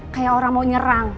kayak orang mau nyerang